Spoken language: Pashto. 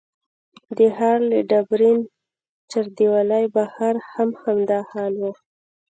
د ښار له ډبرین چاردیوالۍ بهر هم همدا حال و.